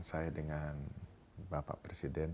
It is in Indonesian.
saya dengan bapak presiden